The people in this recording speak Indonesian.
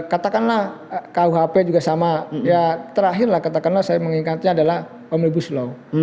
katakanlah kuhp juga sama ya terakhirlah katakanlah saya mengingatnya adalah omnibus law